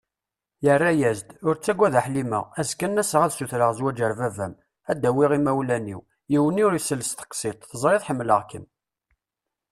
Yerra-as-d: Ur ttaggad a Ḥlima, azekka ad n-aseɣ ad sutreɣ zwaǧ ar baba-m, ad d-awiɣ imawlan-iw, yiwen ur isel tseqsiḍt, teẓriḍ ḥemmleɣ-kem.